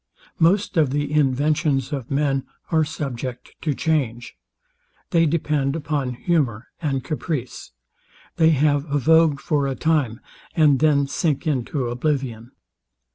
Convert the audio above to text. Most of the inventions of men are subject to change. They depend upon humour and caprice. They have a vogue for a time, and then sink into oblivion.